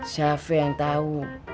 siapa yang tahu